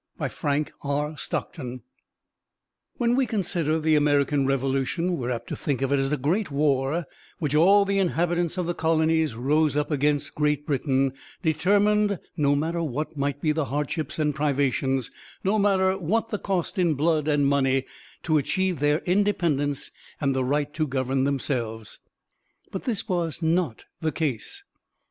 By Frank R. Stockton When we consider the American Revolution, we are apt to think of it as a great war which all the inhabitants of the Colonies rose up against Great Britain, determined, no matter what might be the hardships and privations, no matter what the cost in blood and money, to achieve their independence and the right to govern themselves. But this was not the case.